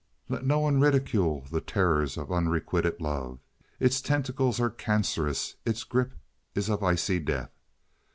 Let no one ridicule the terrors of unrequited love. Its tentacles are cancerous, its grip is of icy death.